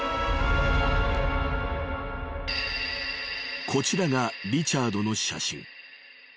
［こちらがリチャードの写真］